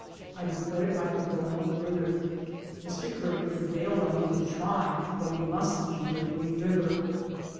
I declared I could go no further. Mr. Curry prevailed on me to try, for we must be near Green River.